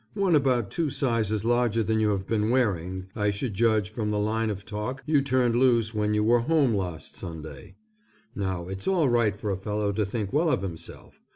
One about two sizes larger than you have been wearing, I should judge from the line of talk you turned loose when you were home last Sunday. Now it's all right for a fellow to think well of himself.